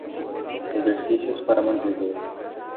Exercícios para a mandíbula